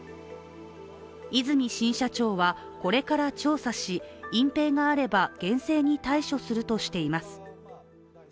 和泉新社長はこれから調査し隠蔽があれば厳正に対処するとしています。